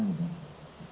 ya itulah witan